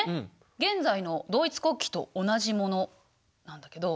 現在のドイツ国旗と同じものなんだけど。